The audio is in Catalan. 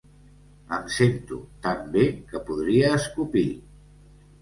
Em sento tan bé que podria escopir.